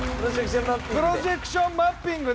プロジェクションマッピングで。